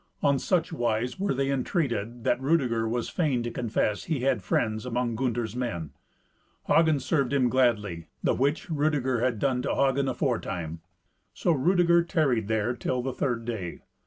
On such wise were the entreated that Rudeger was fain to confess he had friends among Gunther's men. Hagen served him gladly, the which Rudeger had done to Hagen aforetime. So Rudeger tarried there till the third day.